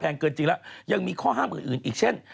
เกินจริงแล้วยังมีข้อห้ามอื่นอีกเช่น